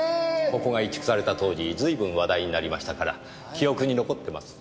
ここが移築された当時随分話題になりましたから記憶に残ってます。